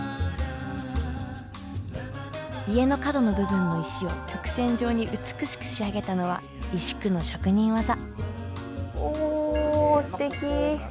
家の角の部分の石を曲線状に美しく仕上げたのはおすてき！